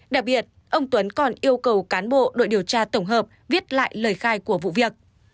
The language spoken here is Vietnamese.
đặc biệt ông tuấn còn yêu cầu cán bộ đội điều tra tổng hợp viết lại lời khai của vụ việc